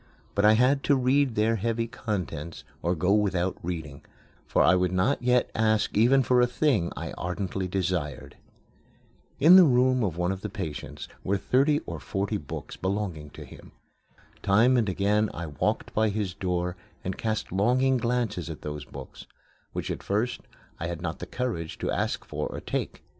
But I had to read their heavy contents or go without reading, for I would not yet ask even for a thing I ardently desired. In the room of one of the patients were thirty or forty books belonging to him. Time and again I walked by his door and cast longing glances at those books, which at first I had not the courage to ask for or to take.